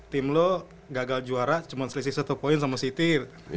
tim lu gagal juara cuman selisih satu poin sama city